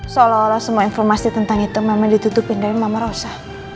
soal allah semua informasi tentang itu memang ditutupin dari mama rosa